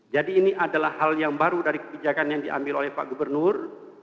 jadi ini adalah hal yang baru dari kebijakan yang diambil oleh pak gubernur